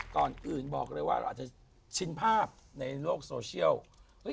ก่อนอื่นบอกเลยว่าเราอาจจะชินภาพในโลกโซเชียล